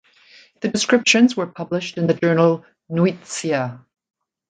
The descriptions were published in the journal "Nuytsia".